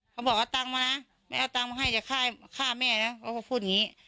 เขาบอกอาตังมานะไม่ต้องมาให้เดี๋ยวค่ายค่าแม่เนี้ย